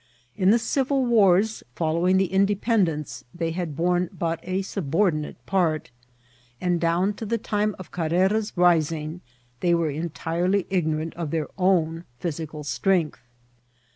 In the civil wars following the indqpend* ence they had borne but a subordinate part ; and down to the time of Carrera's rising they were entirely igno* rant of their own physical strength.